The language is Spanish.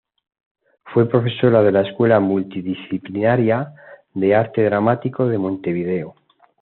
Fue profesora de la Escuela Multidisciplinaria de Arte Dramático de Montevideo.